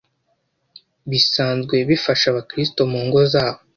bisanzwe bifasha Abakristo mu ngo zabo,